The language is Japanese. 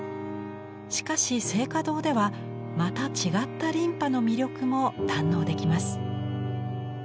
しかし静嘉堂ではまた違った琳派の魅力も堪能できます。